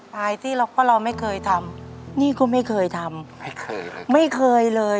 ไปที่เราก็เราไม่เคยทำนี่ก็ไม่เคยทำไม่เคยเลยไม่เคยเลย